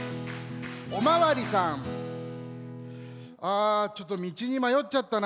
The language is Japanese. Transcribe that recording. あちょっとみちにまよっちゃったな。